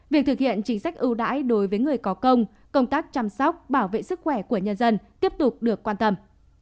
việc thực hiện chính sách ưu đãi đối với người có công công tác chăm sóc bảo vệ sức khỏe của nhân dân tiếp tục được quan tâm